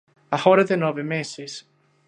Agora ten nove meses.